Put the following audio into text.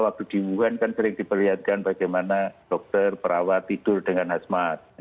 waktu di wuhan kan sering diperlihatkan bagaimana dokter perawat tidur dengan khasmat